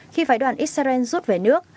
khi phái đoàn israel rút về nước